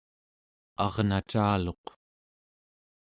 arnacaluq